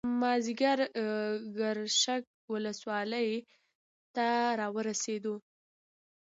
مازیګر ګرشک ولسوالۍ ته راورسېدو.